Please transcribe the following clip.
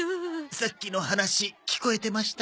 さっきの話聞こえてました？